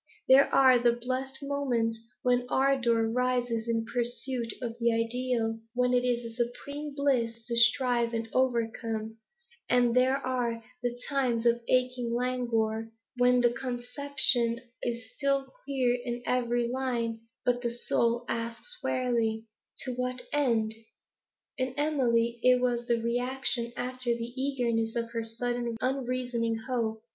There are the blessed moments when ardour rises in pursuit of the ideal, when it is supreme bliss to strive and overcome; and there are the times of aching languor, when the conception is still clear in every line, but the soul asks wearily To what end? In Emily it was reaction after the eagerness of her sudden unreasoning hope.